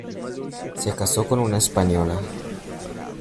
Se casó con una española.